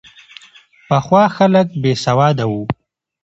پخوا خلک بې سواده وو.